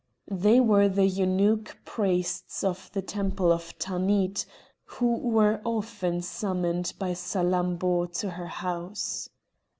They were the eunuch priests of the temple of Tanith, who were often summoned by Salammbô to her house.